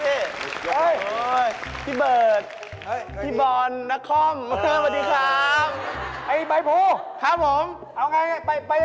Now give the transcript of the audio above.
เออไอรุ๊กไอซัลโกแกะเขาบอกว่ายาเสพติด